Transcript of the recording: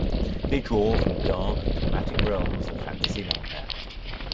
They draw from dark and dramatic realms of fantasy nightmare.